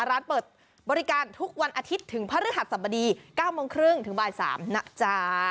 ร้านเปิดบริการทุกวันอาทิตย์ถึงพระฤหัสสบดี๙โมงครึ่งถึงบ่าย๓นะจ๊ะ